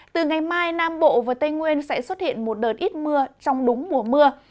từ ngày mai nam bộ và tây nguyên sẽ xuất hiện một đợt ít mưa trong đúng mùa mưa